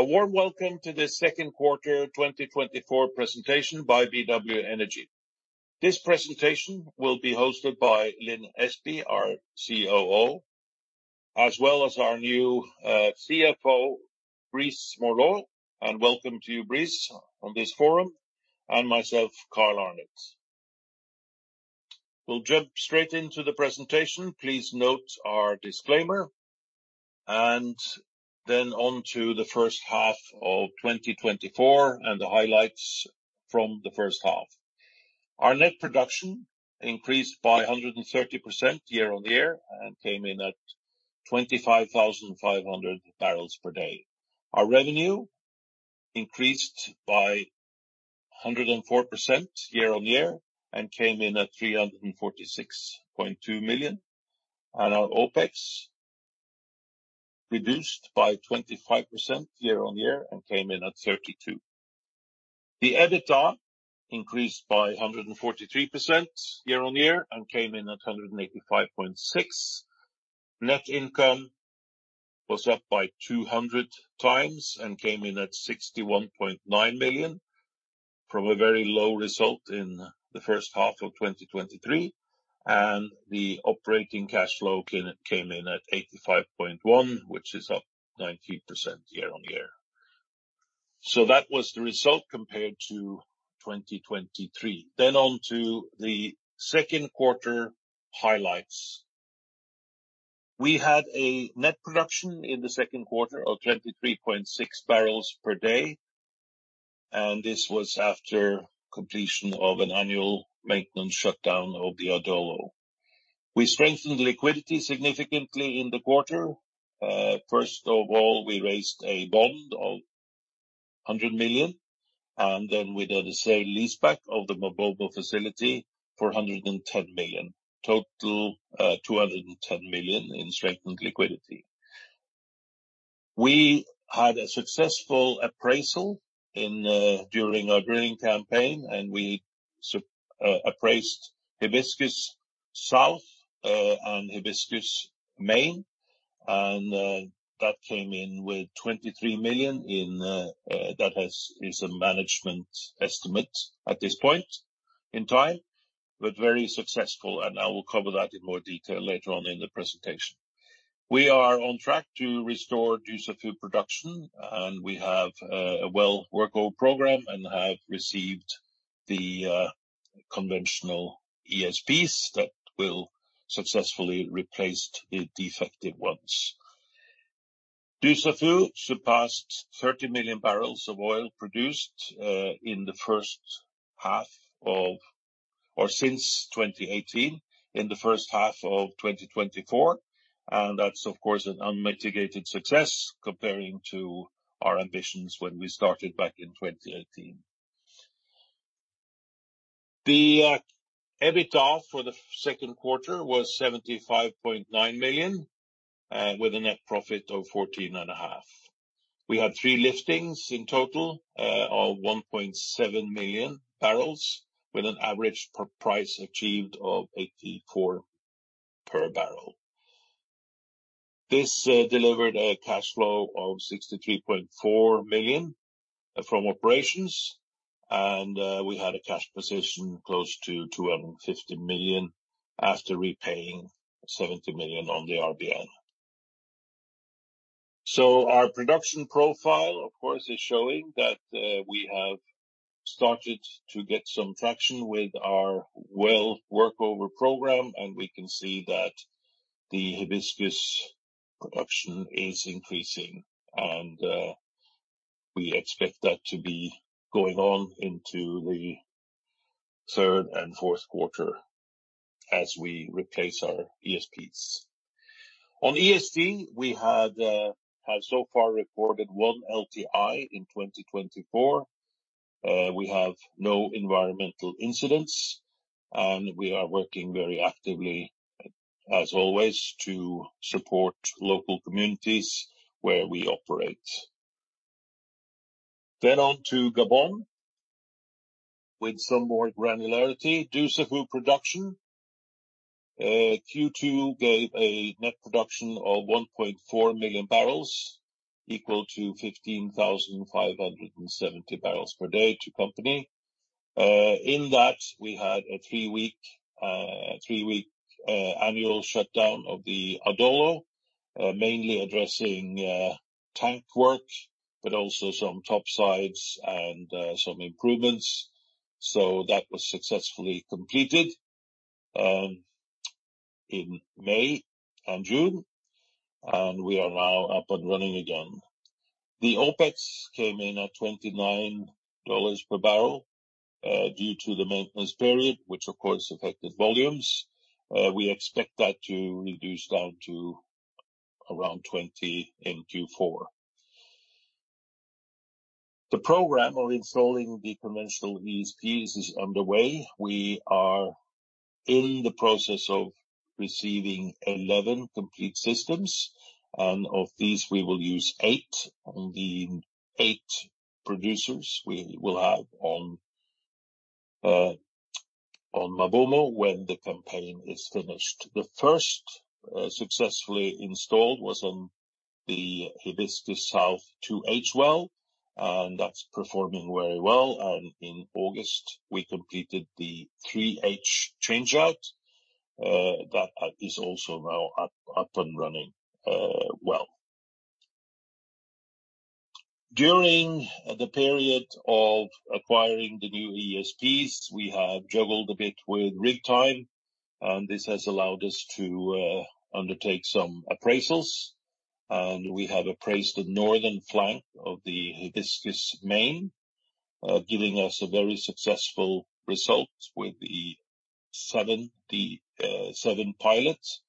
A warm welcome to the second quarter 2024 presentation by BW Energy. This presentation will be hosted by Lin Espey, our COO, as well as our new CFO, Brice Morlot. And welcome to you, Brice, on this forum, and myself, Carl Arnet. We'll jump straight into the presentation. Please note our disclaimer, and then on to the first half of 2024 and the highlights from the first half. Our net production increased by 130% year-on-year and came in at 25,500 bbls per day. Our revenue increased by 104% year-on-year and came in at $346.2 million. Our OpEx reduced by 25% year-on-year and came in at $32 million. The EBITDA increased by 143% year-on-year and came in at $185.6 million. Net income was up by 200x and came in at $61.9 million, from a very low result in the first half of 2023, and the operating cash flow came in at $85.1 million, which is up 90% year-on-year. That was the result compared to 2023. Then on to the second quarter highlights. We had a net production in the second quarter of 23.6 bbls per day, and this was after completion of an annual maintenance shutdown of the Adolo. We strengthened liquidity significantly in the quarter. First of all, we raised a bond of $100 million, and then we did a sale leaseback of the MaBoMo facility for $110 million. Total $210 million in strengthened liquidity. We had a successful appraisal in during our drilling campaign, and we appraised Hibiscus South and Hibiscus Main, and that came in with $23 million bbls in that is a management estimate at this point in time, but very successful, and I will cover that in more detail later on in the presentation. We are on track to restore Dussafu production, and we have a well workover program and have received the conventional ESPs that will successfully replace the defective ones. Dussafu surpassed 30 million bbls of oil produced in the first half of or since 2018 in the first half of 2024, and that's of course an unmitigated success comparing to our ambitions when we started back in 2018. The EBITDA for the second quarter was $75.9 million with a net profit of $14.5 million. We had three liftings in total of 1.7 million bbls, with an average realized price achieved of $84 per bbl. This delivered a cash flow of $63.4 million from operations, and we had a cash position close to $250 million after repaying $70 million on the RBL. Our production profile, of course, is showing that we have started to get some traction with our well workover program, and we can see that the Hibiscus production is increasing, and we expect that to be going on into the third and fourth quarter as we replace our ESPs. On ESG, we have so far recorded one LTI in 2024. We have no environmental incidents, and we are working very actively, as always, to support local communities where we operate, then on to Gabon with some more granularity. Dussafu production, Q2 gave a net production of 1.4 million bbls, equal to 15,570 bbls per day to company. In that, we had a three-week annual shutdown of the Adolo, mainly addressing tank work, but also some topsides and some improvements. So that was successfully completed in May and June, and we are now up and running again. The OpEx came in at $29 per bbl due to the maintenance period, which of course affected volumes. We expect that to reduce down to around $20 in Q4. The program of installing the conventional ESPs is underway. We are in the process of receiving eleven complete systems, and of these, we will use eight. On the eight producers, we will have on MaBoMo when the campaign is finished. The first successfully installed was on the Hibiscus South 2H well, and that's performing very well. And in August, we completed the 3H change-out, that is also now up, up and running, well. During the period of acquiring the new ESPs, we have juggled a bit with rig time, and this has allowed us to undertake some appraisals. And we have appraised the northern flank of the Hibiscus Main, giving us a very successful result with the seven pilots.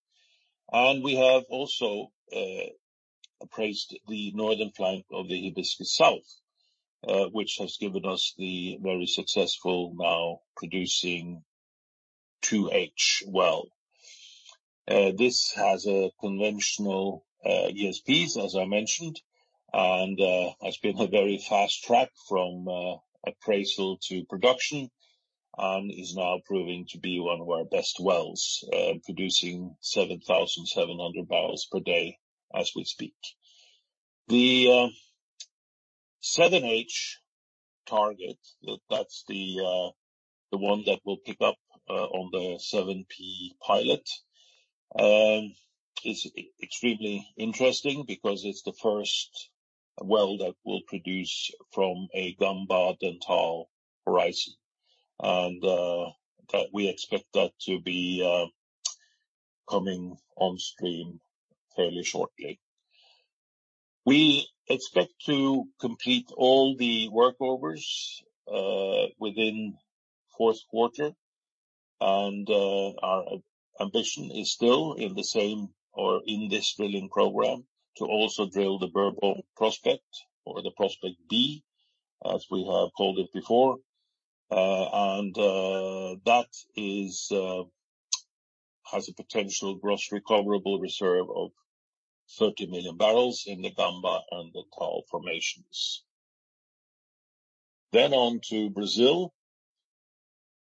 And we have also appraised the northern flank of the Hibiscus South, which has given us the very successful now producing 2H well. This has a conventional ESPs, as I mentioned, and has been a very fast track from appraisal to production, and is now proving to be one of our best wells, producing 7,700 bbls per day as we speak. The 7H target, that's the one that will pick up on the 7P pilot. It's extremely interesting because it's the first well that will produce from a Gamba Dentale horizon, and that we expect that to be coming on stream fairly shortly. We expect to complete all the workovers within fourth quarter, and our ambition is still in the same or in this drilling program, to also drill the Bourdon prospect or the prospect B, as we have called it before. That has a potential gross recoverable reserve of 30 million bbls in the Gamba and the Dentale formations. Then on to Brazil,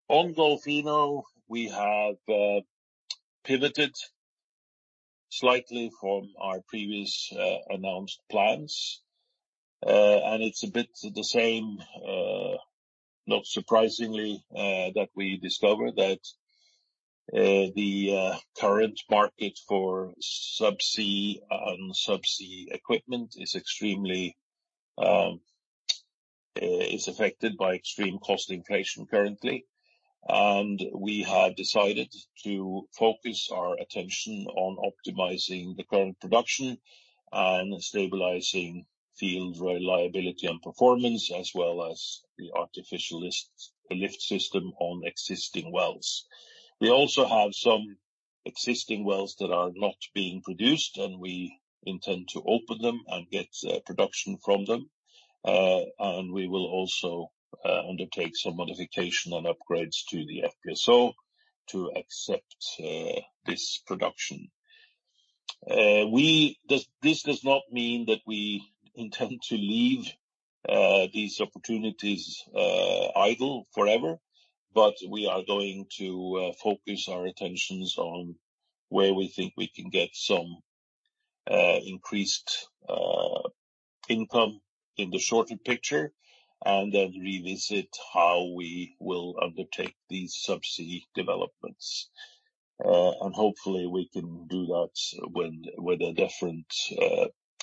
on Golfinho, we have pivoted slightly from our previous announced plans, and it's a bit the same, not surprisingly, that we discovered that the current market for subsea equipment is extremely affected by extreme cost inflation currently, and we have decided to focus our attention on optimizing the current production and stabilizing field reliability and performance, as well as the artificial lift, the lift system on existing wells. We also have some existing wells that are not being produced, and we intend to open them and get production from them, and we will also undertake some modification and upgrades to the FPSO to accept this production. This does not mean that we intend to leave these opportunities idle forever, but we are going to focus our attentions on where we think we can get some increased income in the shorter picture, and then revisit how we will undertake these subsea developments, and hopefully we can do that with a different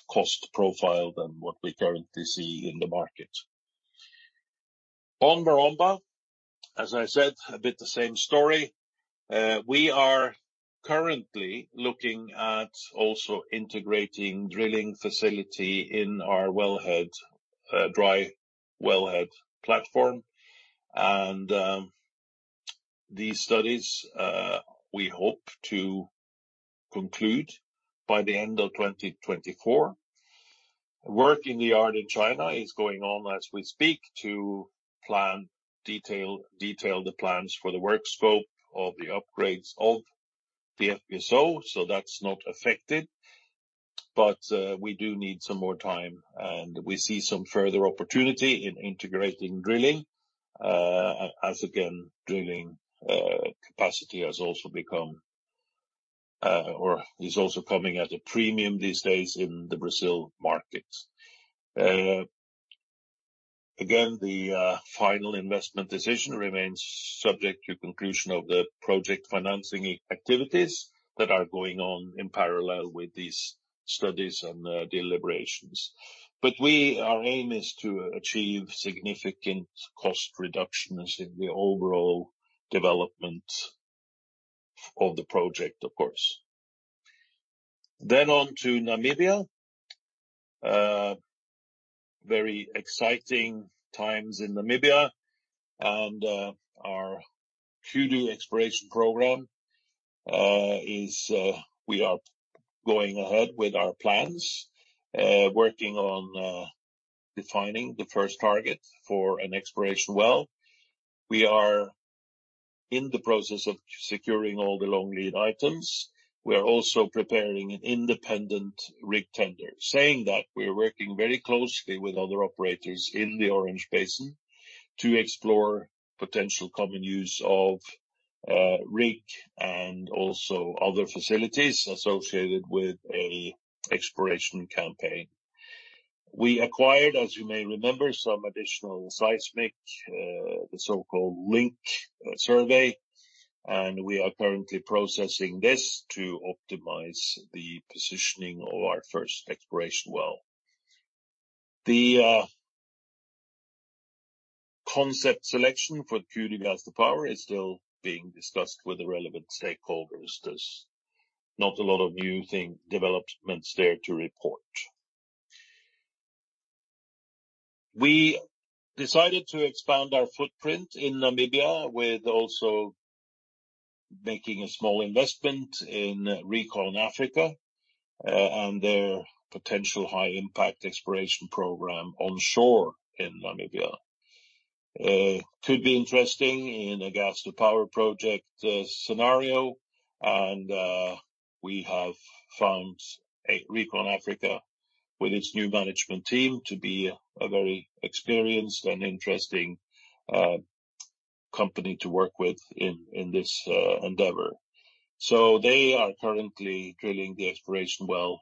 cost profile than what we currently see in the market. On Maromba, as I said, a bit the same story. We are currently looking at also integrating drilling facility in our wellhead dry wellhead platform, and these studies we hope to conclude by the end of 2024. Work in the yard in China is going on as we speak to detail the plans for the work scope of the upgrades of the FPSO, so that's not affected. But we do need some more time, and we see some further opportunity in integrating drilling, as again, drilling capacity has also become, or is also coming at a premium these days in the Brazil markets. Again, the final investment decision remains subject to conclusion of the project financing activities that are going on in parallel with these studies and deliberations. Our aim is to achieve significant cost reductions in the overall development of the project, of course. Then on to Namibia. Very exciting times in Namibia, and our Kudu exploration program, we are going ahead with our plans, working on defining the first target for an exploration well. We are in the process of securing all the long lead items, we are also preparing an independent rig tender. Saying that, we are working very closely with other operators in the Orange Basin to explore potential common use of rig and also other facilities associated with an exploration campaign. We acquired, as you may remember, some additional seismic, the so-called Link survey, and we are currently processing this to optimize the positioning of our first exploration well. The concept selection for the Kudu gas-to-power is still being discussed with the relevant stakeholders. There's not a lot of new developments there to report. We decided to expand our footprint in Namibia, with also making a small investment in ReconAfrica, and their potential high impact exploration program onshore in Namibia. Could be interesting in a gas-to-power project scenario, and we have found ReconAfrica with its new management team to be a very experienced and interesting company to work with in this endeavor. So they are currently drilling the exploration well,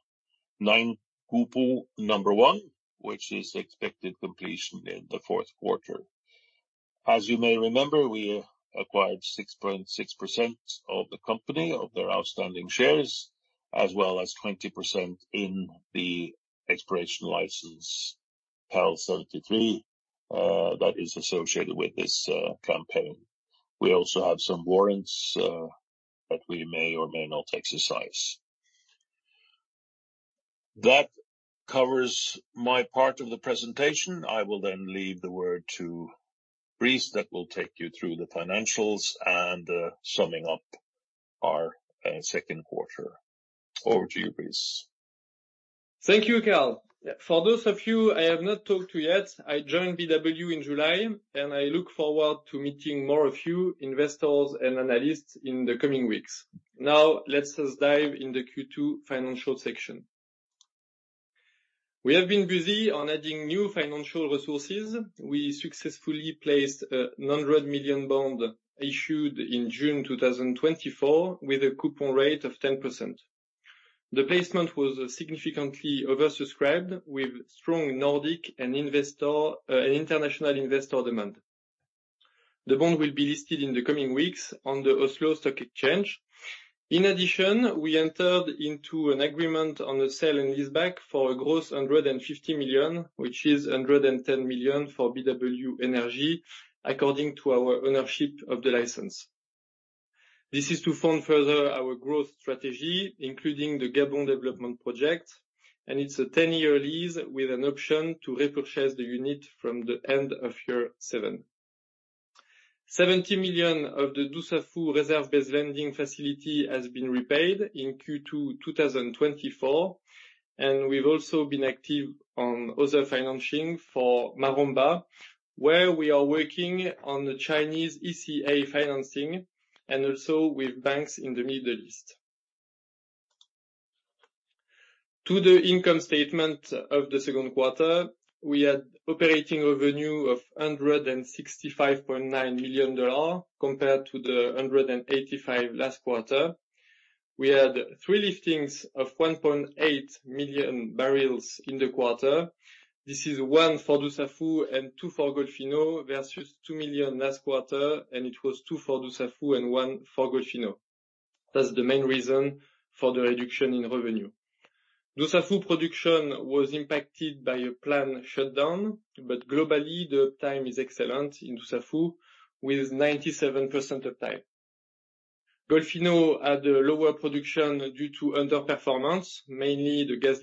Naingopo-1, which is expected completion in the fourth quarter. As you may remember, we acquired 6.6% of the company, of their outstanding shares, as well as 20% in the exploration license, PEL 73, that is associated with this campaign. We also have some warrants that we may or may not exercise. That covers my part of the presentation. I will then leave the word to Brice, that will take you through the financials and summing up our second quarter. Over to you, Brice. Thank you, Carl. For those of you I have not talked to yet, I joined BW in July, and I look forward to meeting more of you, investors and analysts, in the coming weeks. Now, let's just dive in the Q2 financial section. We have been busy on adding new financial resources. We successfully placed a $100 million bond issued in June 2024, with a coupon rate of 10%. The placement was significantly oversubscribed, with strong Nordic and investor, and international investor demand. The bond will be listed in the coming weeks on the Oslo Stock Exchange. In addition, we entered into an agreement on a sale and leaseback for a gross $150 million, which is $110 million for BW Energy, according to our ownership of the license. This is to fund further our growth strategy, including the Gabon development project, and it's a 10-year lease with an option to repurchase the unit from the end of year seven. $70 million of the Dussafu reserve-based lending facility has been repaid in Q2 2024, and we've also been active on other financing for Maromba, where we are working on the Chinese ECA financing and also with banks in the Middle East. To the income statement of the second quarter, we had operating revenue of $165.9 million, compared to the $185 million last quarter. We had three liftings of 1.8 million bbls in the quarter. This is one for Dussafu and two for Golfinho, versus 2 million last quarter, and it was two for Dussafu and one for Golfinho. That's the main reason for the reduction in revenue. Dussafu production was impacted by a planned shutdown, but globally, the uptime is excellent in Dussafu, with 97% uptime. Golfinho had a lower production due to underperformance, mainly the gas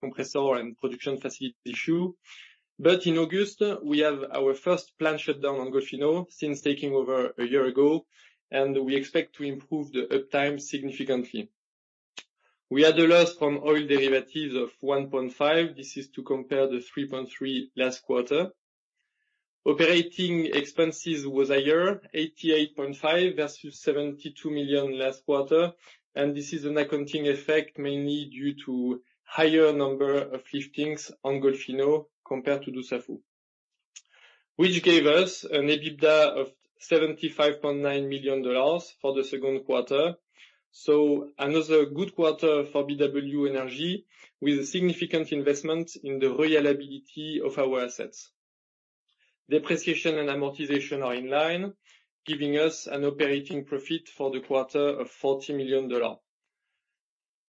compressor and production facility issue. But in August, we have our first planned shutdown on Golfinho since taking over a year ago, and we expect to improve the uptime significantly. We had a loss from oil derivatives of $1.5. This is to compare the $3.3 last quarter. Operating expenses was higher, $88.5 versus $72 million last quarter, and this is an accounting effect, mainly due to higher number of liftings on Golfinho compared to Dussafu, which gave us an EBITDA of $75.9 million for the second quarter. So another good quarter for BW Energy, with significant investment in the reliability of our assets. Depreciation and amortization are in line, giving us an operating profit for the quarter of $40 million.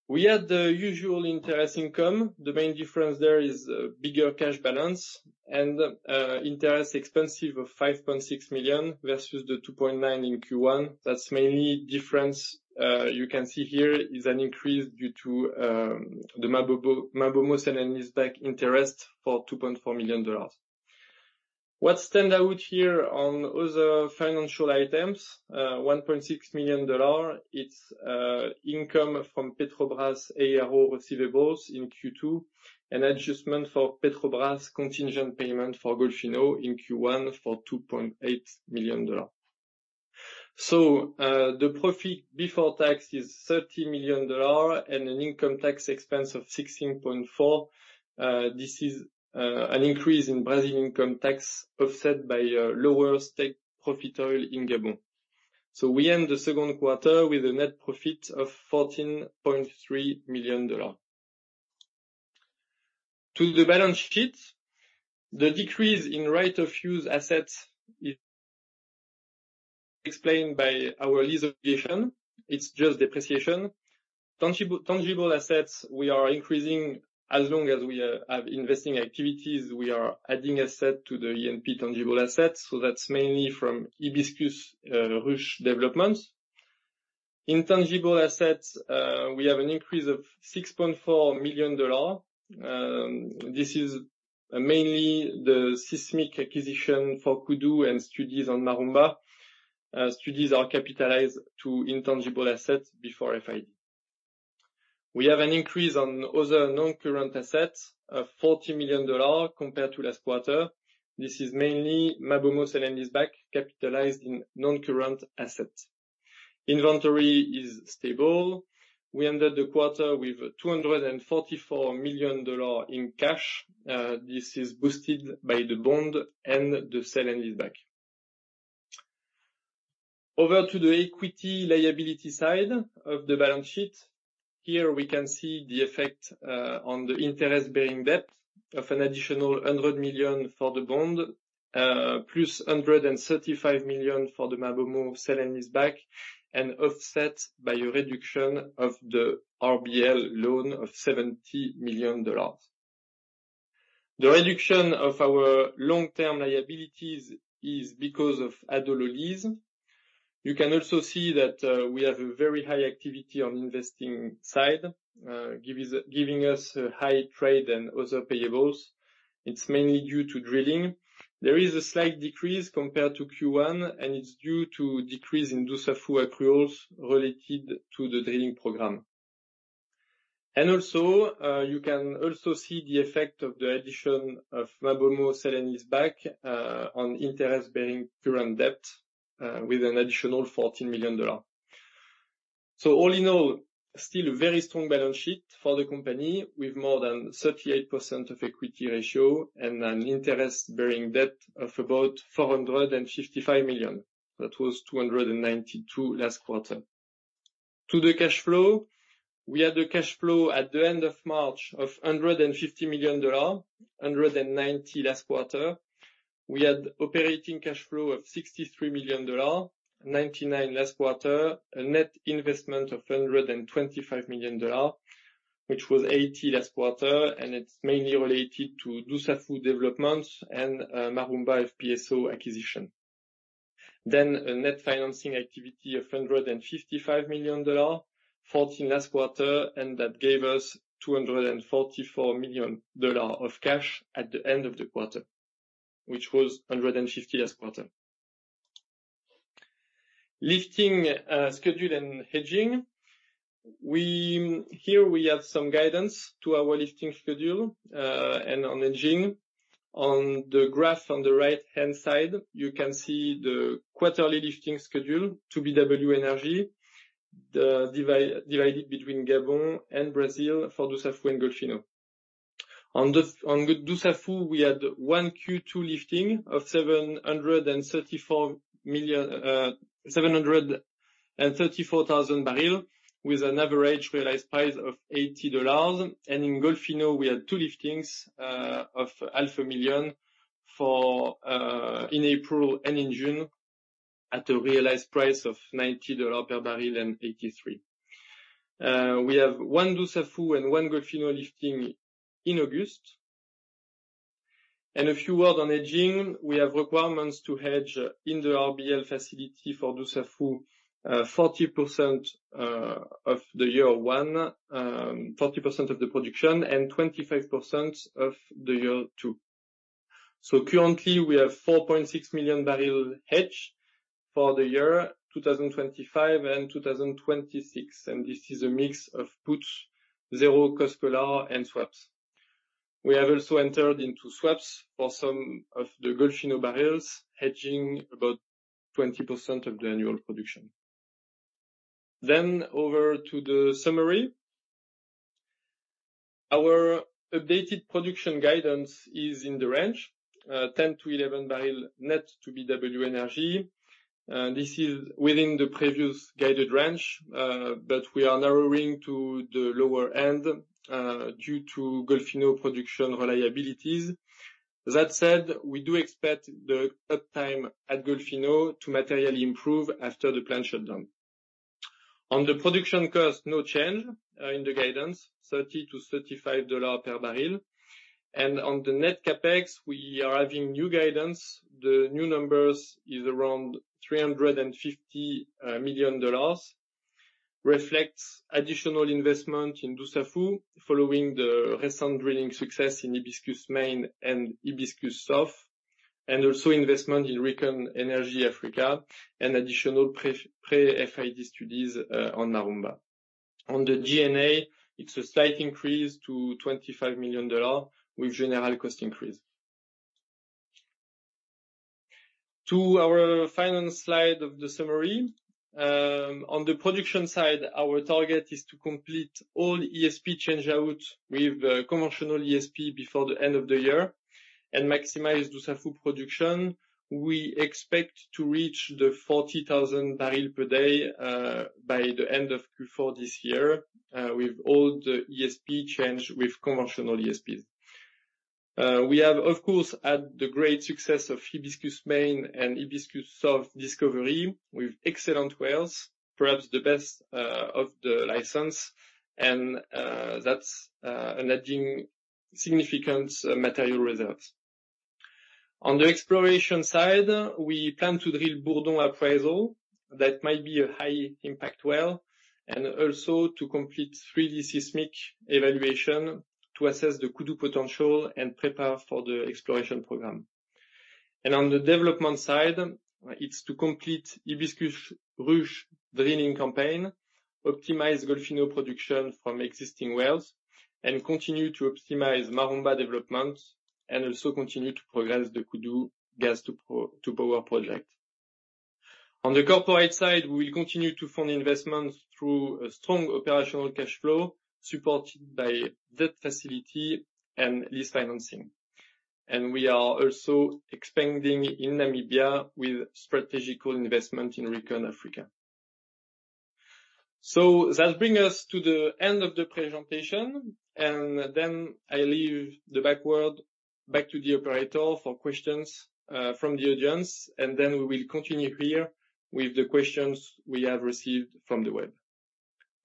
We had the usual interest income. The main difference there is a bigger cash balance and interest expense of $5.6 million versus the $2.9 million in Q1. That's the main difference you can see here, is an increase due to the MaBoMo sale and leaseback interest for $2.4 million. What stands out here on other financial items, $1.6 million, it's income from Petrobras ARO receivables in Q2, an adjustment for Petrobras contingent payment for Golfinho in Q1 for $2.8 million. So, the profit before tax is $30 million and an income tax expense of $16.4 million. This is an increase in Brazil income tax offset by a lower state profit oil in Gabon. So we end the second quarter with a net profit of $14.3 million. To the balance sheet, the decrease in right-of-use assets is explained by our lease obligation. It's just depreciation. Tangible assets we are increasing. As long as we have investing activities, we are adding assets to our net tangible assets, so that's mainly from Hibiscus Ruche developments. Intangible assets we have an increase of $6.4 million. This is mainly the seismic acquisition for Kudu and studies on Maromba. Studies are capitalized to intangible assets before FID. We have an increase on other non-current assets of $40 million compared to last quarter. This is mainly MaBoMo sale and leaseback, capitalized in non-current assets. Inventory is stable. We ended the quarter with $244 million in cash. This is boosted by the bond and the sale and leaseback. Over to the equity liability side of the balance sheet. Here we can see the effect on the interest-bearing debt of an additional $100 million for the bond, plus $135 million for the MaBoMo sale and leaseback, and offset by a reduction of the RBL loan of $70 million. The reduction of our long-term liabilities is because of add-on lease. You can also see that we have a very high activity on investing side, giving us a high trade and other payables. It's mainly due to drilling. There is a slight decrease compared to Q1, and it's due to decrease in Dussafu accruals related to the drilling program. And also, you can also see the effect of the addition of MaBoMo sale and leaseback on interest-bearing current debt with an additional $14 million. So all in all, still a very strong balance sheet for the company, with more than 38% equity ratio and an interest-bearing debt of about $455 million. That was $292 last quarter. To the cash flow, we had a cash flow at the end of March of $150 million, $190 last quarter. We had operating cash flow of $63 million, $99 last quarter, a net investment of $125 million, which was $80 last quarter, and it's mainly related to Dussafu developments and Maromba FPSO acquisition. Then a net financing activity of $155 million, $40 million last quarter, and that gave us $244 million of cash at the end of the quarter, which was $150 million last quarter. Lifting schedule and hedging. Here we have some guidance to our lifting schedule and on hedging. On the graph on the right-hand side, you can see the quarterly lifting schedule for BW Energy, divided between Gabon and Brazil for Dussafu and Golfinho. On Dussafu, we had one Q2 lifting of 734,000 bbls, with an average realized price of $80. And in Golfinho, we had two liftings of half a million bbls in April and in June, at a realized price of $90 per bbl and $83. We have one Dussafu and one Golfinho lifting in August. A few words on hedging. We have requirements to hedge in the RBL facility for Dussafu, 40% of year one, 40% of the production, and 25% of year two. Currently, we have 4.6 million bbl hedge for the year 2025 and 2026, and this is a mix of puts, zero cost collars, and swaps. We have also entered into swaps for some of the Golfinho barrels, hedging about 20% of the annual production. Over to the summary. Our updated production guidance is in the range 10-11 bbls net to BW Energy, and this is within the previous guided range, but we are narrowing to the lower end due to Golfinho production reliabilities. That said, we do expect the uptime at Golfinho to materially improve after the planned shutdown. On the production cost, no change in the guidance, $30-$35 per bbl. On the net CapEx, we are having new guidance. The new numbers is around $350 million, reflects additional investment in Dussafu, following the recent drilling success in Hibiscus Main and Hibiscus South, and also investment in ReconAfrica, and additional pre-FID studies on Maromba. On the G&A, it's a slight increase to $25 million with general cost increase. To our final slide of the summary. On the production side, our target is to complete all ESP change-out with conventional ESP before the end of the year, and maximize Dussafu production. We expect to reach 40,000 bbl per day by the end of Q4 this year with all the ESP change with conventional ESPs. We have, of course, had the great success of Hibiscus Main and Hibiscus South discovery with excellent wells, perhaps the best of the license, and that's adding significant material results. On the exploration side, we plan to drill Bourdon appraisal. That might be a high impact well, and also to complete 3D seismic evaluation to assess the Kudu potential and prepare for the exploration program. And on the development side, it's to complete Hibiscus Ruche drilling campaign, optimize Golfinho production from existing wells, and continue to optimize Maromba developments, and also continue to progress the Kudu gas-to-power project. On the corporate side, we will continue to fund investments through a strong operational cash flow, supported by debt facility and lease financing. And we are also expanding in Namibia with strategic investment in ReconAfrica. So that brings us to the end of the presentation, and then I hand the word back to the operator for questions from the audience, and then we will continue here with the questions we have received from the web.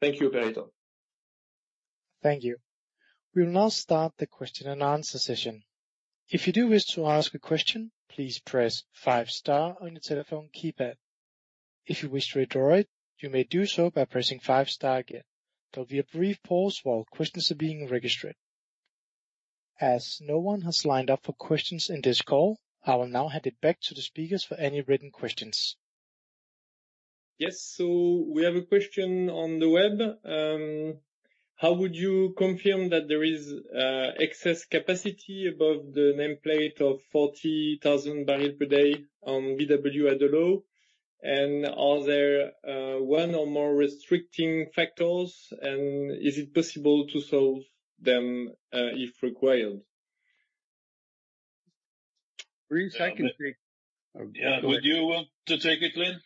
Thank you, operator. Thank you. We will now start the question-and-answer session. If you do wish to ask a question, please press five star on your telephone keypad. If you wish to withdraw it, you may do so by pressing five star again. There will be a brief pause while questions are being registered. As no one has lined up for questions in this call, I will now hand it back to the speakers for any written questions. Yes, so we have a question on the web. How would you confirm that there is excess capacity above the nameplate of 40,000 bbls per day on BW Adolo? And are there one or more restricting factors, and is it possible to solve them if required? Brice, I can take- Yeah. Would you want to take it, Lin?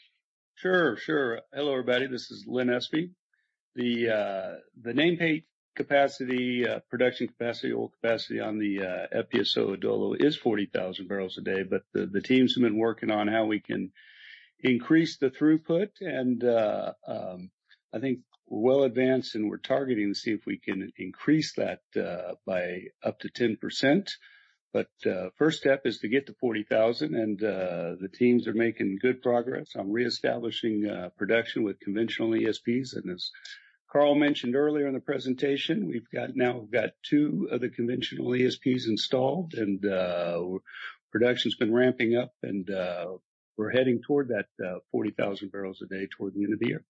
Sure, sure. Hello, everybody, this is Lin Espey. The nameplate capacity production capacity, oil capacity on the FPSO Adolo is 40,000 bbls a day, but the teams have been working on how we can increase the throughput, and I think we're well-advanced, and we're targeting to see if we can increase that by up to 10%. But first step is to get to 40,000, and the teams are making good progress on reestablishing production with conventional ESPs. And as Carl mentioned earlier in the presentation, we've got two of the conventional ESPs installed, and production's been ramping up and we're heading toward that 40,000 bbls a day toward the end of the year.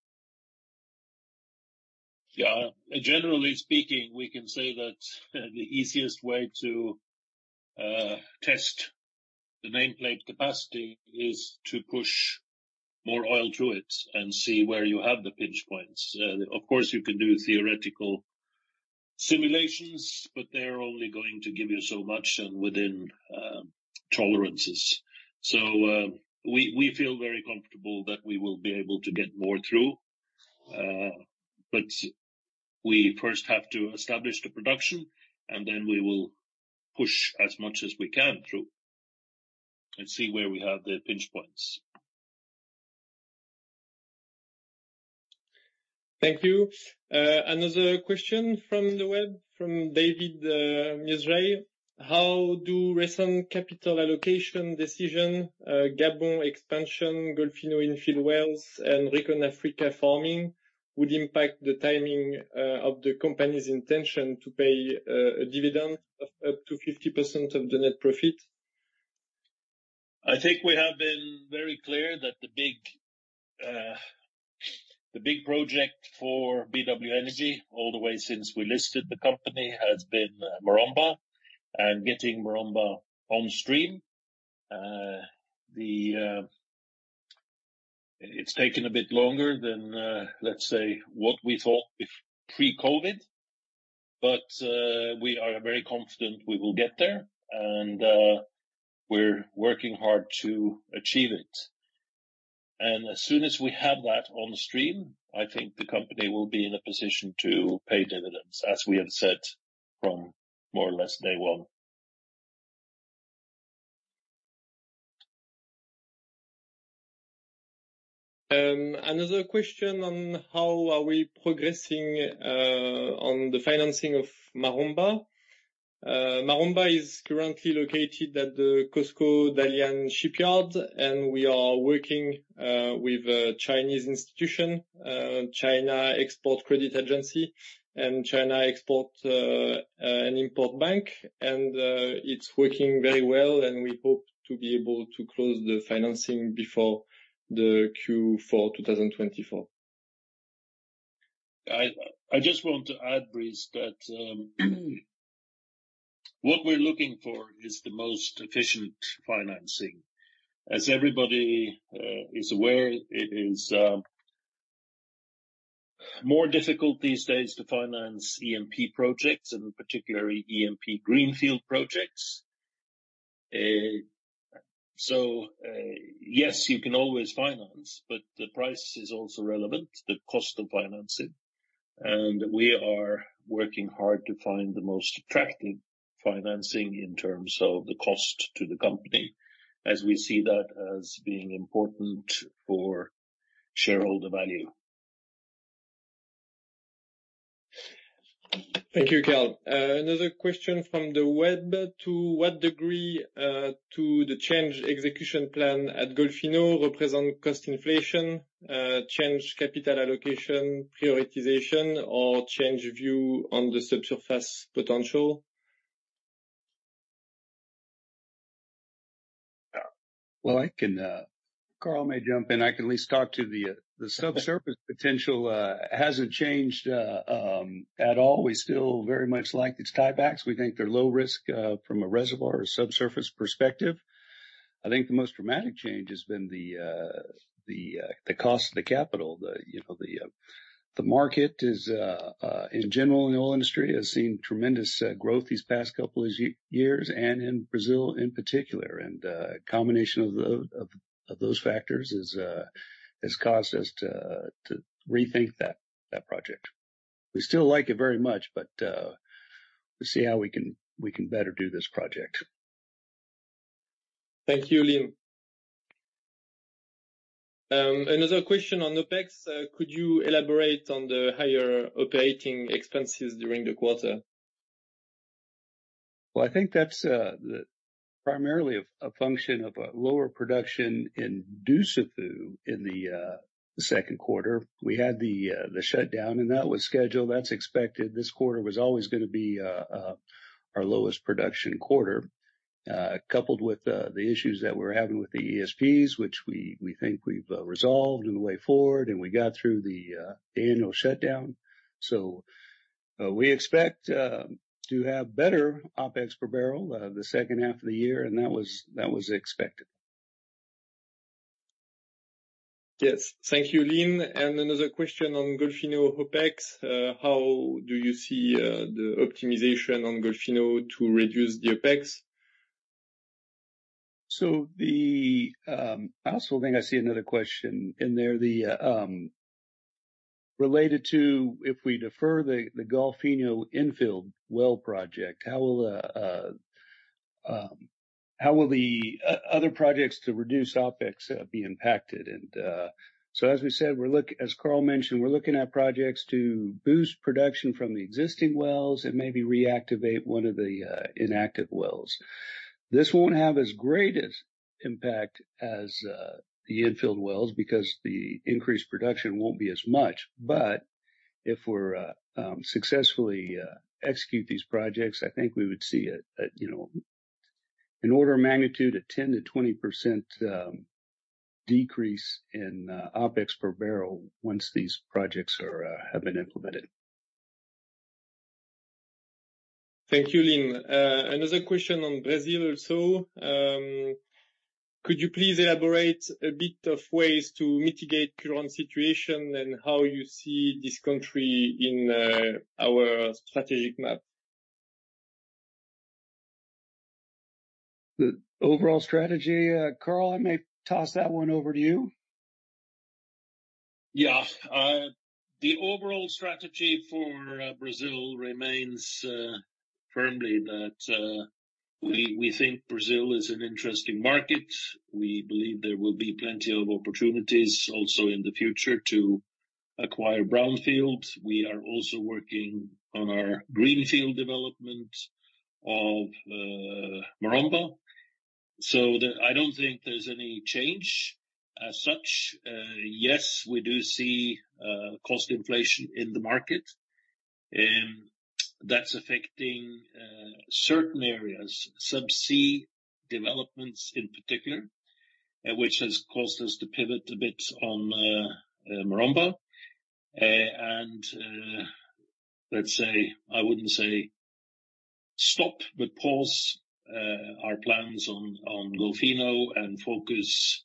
Yeah. Generally-speaking, we can say that the easiest way to test the nameplate capacity is to push more oil to it and see where you have the pinch points. Of course, you can do theoretical simulations, but they're only going to give you so much and within tolerances. So we feel very comfortable that we will be able to get more through. But we first have to establish the production, and then we will push as much as we can through and see where we have the pinch points. Thank you. Another question from the web, from David Mizrahi: How do recent capital allocation decision, Gabon expansion, Golfinho infill wells, and ReconAfrica farm-in, would impact the timing of the company's intention to pay a dividend of up to 50% of the net profit? I think we have been very clear that the big, the big project for BW Energy, all the way since we listed the company, has been Maromba, and getting Maromba on stream. It's taken a bit longer than, let's say, what we thought with pre-COVID, but we are very confident we will get there, and we're working hard to achieve it. As soon as we have that on the stream, I think the company will be in a position to pay dividends, as we have said from more or less day one. Another question on how are we progressing on the financing of Maromba. Maromba is currently located at the COSCO Dalian shipyard, and we are working with a Chinese institution, China Export Credit Agency and China Export and Import Bank. It's working very well, and we hope to be able to close the financing before the Q4, 2024. I just want to add, Brice, that what we're looking for is the most efficient financing. As everybody is aware, it is more difficult these days to finance E&P projects and particularly E&P greenfield projects. So yes, you can always finance, but the price is also relevant, the cost of financing, and we are working hard to find the most attractive financing in terms of the cost to the company, as we see that as being important for shareholder value. Thank you, Carl. Another question from the web: To what degree to the change execution plan at Golfinho represent cost inflation, change capital allocation, prioritization, or change view on the subsurface potential? I can... Carl may jump in. I can at least talk to the subsurface potential. It hasn't changed at all. We still very much like these tiebacks. We think they're low risk from a reservoir or subsurface perspective. I think the most dramatic change has been the cost of the capital. You know, the market is, in general, in the oil industry, has seen tremendous growth these past couple of years, and in Brazil in particular. A combination of those factors has caused us to rethink that project. We still like it very much, but we'll see how we can better do this project. Thank you, Lin. Another question on OpEx. Could you elaborate on the higher operating expenses during the quarter? I think that's primarily a function of a lower production in Dussafu in the second quarter. We had the shutdown, and that was scheduled. That's expected. This quarter was always gonna be our lowest production quarter, coupled with the issues that we're having with the ESPs, which we think we've resolved in the way forward, and we got through the annual shutdown. We expect to have better OpEx per bbl the second half of the year, and that was expected. Yes. Thank you, Lin. And another question on Golfinho OpEx. How do you see the optimization on Golfinho to reduce the OpEx? So, I also think I see another question in there, related to if we defer the Golfinho infill well project, how will the other projects to reduce OpEx be impacted? And, so as we said, as Carl mentioned, we're looking at projects to boost production from the existing wells and maybe reactivate one of the inactive wells. This won't have as great as impact as the infill wells because the increased production won't be as much. But if we successfully execute these projects, I think we would see you know, an order of magnitude, a 10%-20% decrease in OpEx per bbl once these projects have been implemented. Thank you, Lin. Another question on Brazil also. Could you please elaborate a bit of ways to mitigate current situation and how you see this country in our strategic map? The overall strategy, Carl, I may toss that one over to you. Yeah. The overall strategy for Brazil remains firmly that we think Brazil is an interesting market. We believe there will be plenty of opportunities also in the future to acquire brownfield. We are also working on our greenfield development of Maromba. I don't think there's any change as such. Yes, we do see cost inflation in the market, and that's affecting certain areas, subsea developments in particular, which has caused us to pivot a bit on Maromba. And let's say, I wouldn't say stop, but pause our plans on Golfinho and focus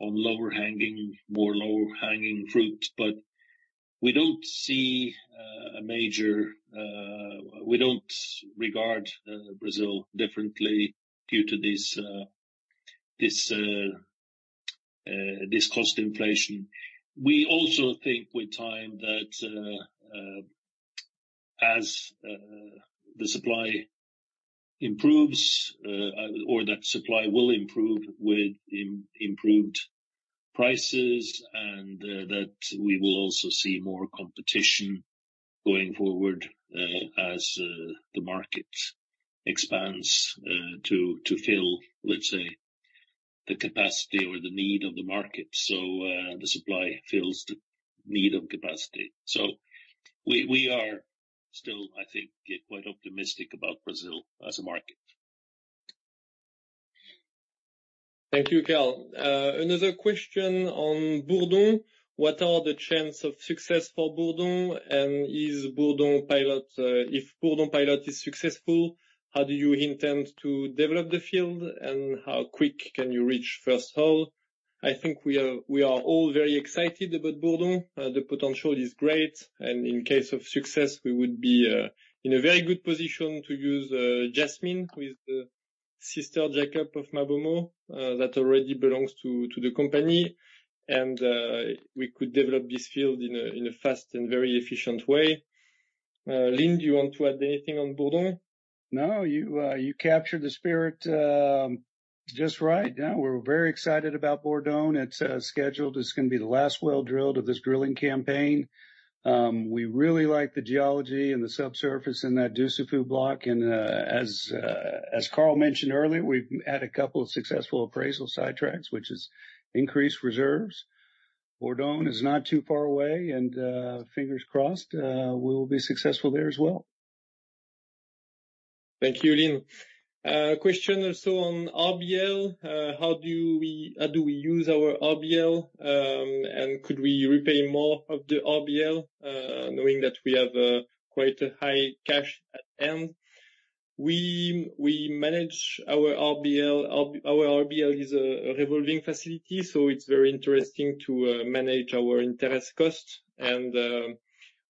on lower-hanging, more lower-hanging fruit. But we don't see a major. We don't regard Brazil differently due to this cost inflation. We also think with time that as the supply improves or that supply will improve with improved prices, and that we will also see more competition going forward as the market expands to fill, let's say, the capacity or the need of the market. So the supply fills the need of capacity. So we are still, I think, quite optimistic about Brazil as a market. .Thank you, Carl. Another question on Bourdon. What are the chances of success for Bourdon, and is Bourdon pilot, if Bourdon pilot is successful, how do you intend to develop the field, and how quick can you reach first oil? I think we are all very excited about Bourdon. The potential is great, and in case of success, we would be in a very good position to use Jasmine who's the sister jack-up of MaBoMo, that already belongs to the company. And we could develop this field in a fast and very efficient way. Lin, do you want to add anything on Bourdon? No. You, you captured the spirit, just right. Yeah, we're very excited about Bourdon. It's scheduled. It's gonna be the last well drilled of this drilling campaign. We really like the geology and the subsurface in that Dussafu block, and, as, as Carl mentioned earlier, we've had a couple of successful appraisal sidetracks, which has increased reserves. Bourdon is not too far away, and, fingers crossed, we will be successful there as well. Thank you, Lin. Question also on RBL. How do we use our RBL, and could we repay more of the RBL, knowing that we have quite a high cash at hand? We manage our RBL. Our RBL is a revolving facility, so it's very interesting to manage our interest costs. And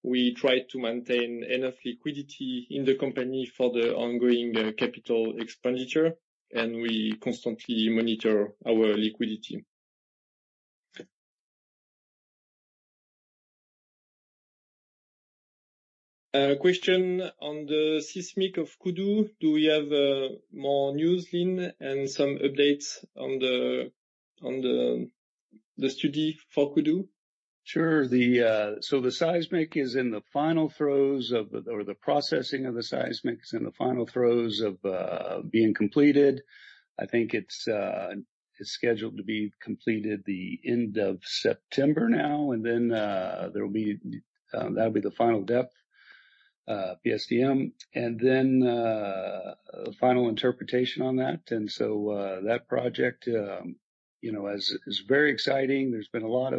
we try to maintain enough liquidity in the company for the ongoing capital expenditure, and we constantly monitor our liquidity. Question on the seismic of Kudu. Do we have more news, Lin, and some updates on the study for Kudu? Sure. The seismic is in the final throes of, or the processing of the seismic is in the final throes of being completed. I think it's scheduled to be completed the end of September now, and then there will be, that'll be the final depth PSDM, and then final interpretation on that, and so that project you know is very exciting. There's been a lot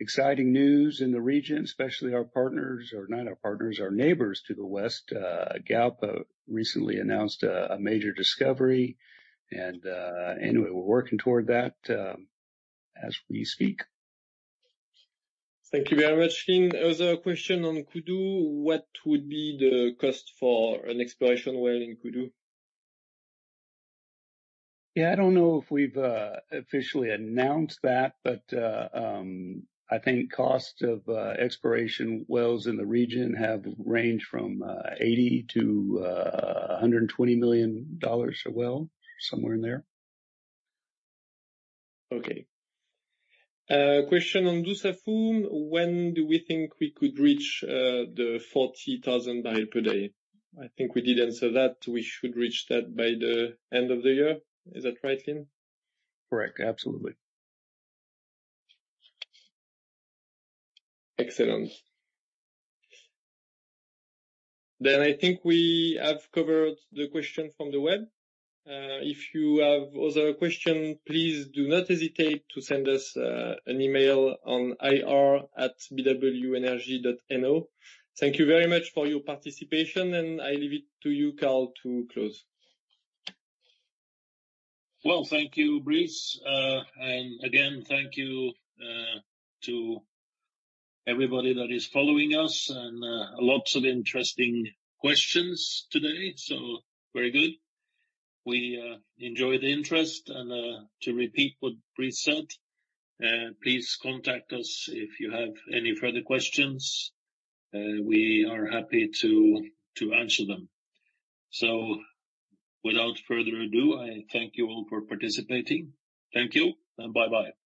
of exciting news in the region, especially our partners, or not our partners, our neighbors to the west. Galp recently announced a major discovery, and anyway, we're working toward that as we speak. Thank you very much, Lin. Other question on Kudu: What would be the cost for an exploration well in Kudu? Yeah, I don't know if we've officially announced that, but I think cost of exploration wells in the region have ranged from $80 million-$120 million a well, somewhere in there. Okay. Question on Dussafu. When do we think we could reach the 40,000 bbls per day? I think we did answer that. We should reach that by the end of the year. Is that right, Lin? Correct. Absolutely. Excellent. Then I think we have covered the question from the web. If you have other question, please do not hesitate to send us an email on ir@bwenergy.no. Thank you very much for your participation, and I leave it to you, Carl, to close. Thank you, Brice. Again, thank you to everybody that is following us, and lots of interesting questions today, so very good. We enjoy the interest, and to repeat what Brice said, please contact us if you have any further questions. We are happy to answer them. Without further ado, I thank you all for participating. Thank you, and bye-bye.